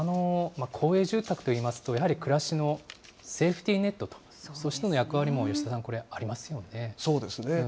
公営住宅といいますと、やはり暮らしのセーフティーネットとしての役割も、吉田さん、こそうですね。